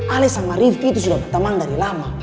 alen sama rifki itu sudah berteman dari lama